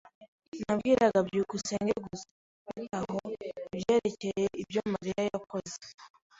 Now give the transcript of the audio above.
"Nabwiraga byukusenge gusa." "Bite ho?" "Ibyerekeye ibyo Mariya yakoze."